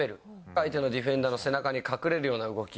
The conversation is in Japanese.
相手のディフェンダーの背中に隠れるような動き。